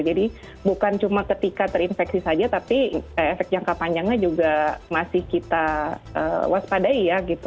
jadi bukan cuma ketika terinfeksi saja tapi efek jangka panjangnya juga masih kita waspadai ya gitu